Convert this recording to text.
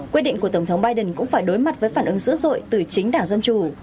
quyết định của tổng thống biden cũng phải đối mặt với phản ứng dữ dội từ chính đảng dân chủ